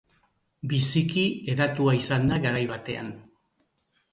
Biziki hedatua izan da garai batean.